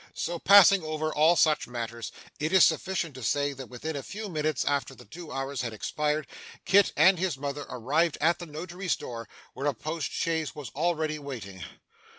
So, passing over all such matters, it is sufficient to say that within a few minutes after the two hours had expired, Kit and his mother arrived at the Notary's door, where a post chaise was already waiting.